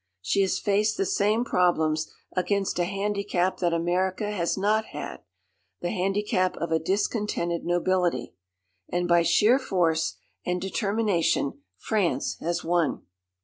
She has faced the same problems against a handicap that America has not had the handicap of a discontented nobility. And by sheer force and determination France has won.